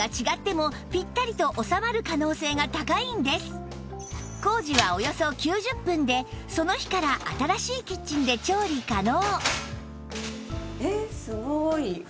実は工事はおよそ９０分でその日から新しいキッチンで調理可能